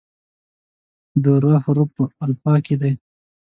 د "ر" حرف په الفبا کې دی.